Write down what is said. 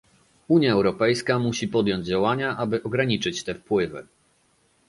Unia Europejska musi podjąć działania, aby ograniczyć te wpływy